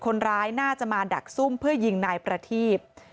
คนร้ายน่าจะมาดักซุ่มเพื่อยิงนายประทีบ